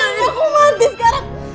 saya akan mati sekarang